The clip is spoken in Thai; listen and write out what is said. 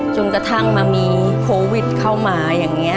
จนกระทั่งมามีโควิดเข้ามาอย่างนี้